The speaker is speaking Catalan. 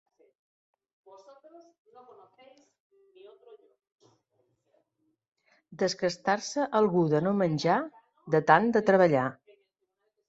Desgastar-se algú de no menjar, de tant de treballar.